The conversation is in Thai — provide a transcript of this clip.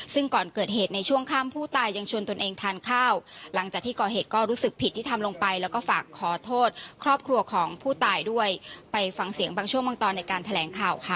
ซึ่งก่อนเกิดเหตุในช่วงค่ำผู้ตายยังชวนตนเองทานข้าวหลังจากที่ก่อเหตุก็รู้สึกผิดที่ทำลงไปแล้วก็ฝากขอโทษครอบครัวของผู้ตายด้วยไปฟังเสียงบางช่วงบางตอนในการแถลงข่าวค่ะ